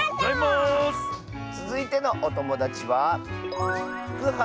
つづいてのおともだちは。